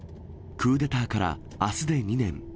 クーデターからあすで２年。